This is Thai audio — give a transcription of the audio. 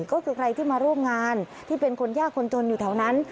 ก็คือใครที่มาร่วมงานที่เป็นคนยากคนจนอยู่แถวนั้น